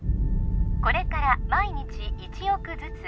これから毎日１億ずつ